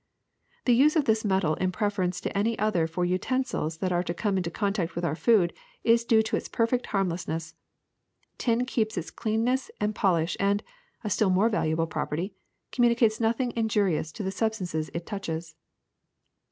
The use of this metal in preference to any other for utensils that are to come in contact with our food is due to its perfect harm lessness. Tin keeps its cleanness and polish and — a still more valuable property — communicates noth ing injurious to the substances it touches.